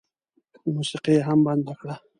موسيقي یې هم بنده کړه.